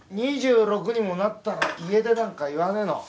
２６にもなったら家出なんか言わねえの。